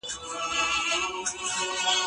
تخت او کمپله باید هره ورځ په منظم ډول پاک شي.